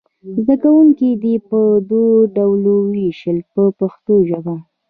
زده کوونکي دې په دوو ډلو وویشئ په پښتو ژبه.